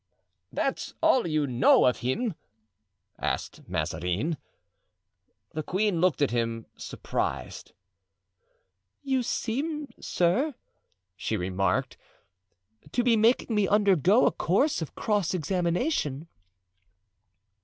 "That's all you know of him?" asked Mazarin. The queen looked at him, surprised. "You seem, sir," she remarked, "to be making me undergo a course of cross examination."